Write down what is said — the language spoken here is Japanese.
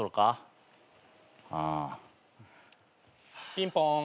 ピンポーン。